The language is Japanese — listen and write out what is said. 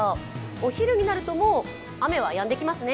お昼になると、もう雨はやんできますね。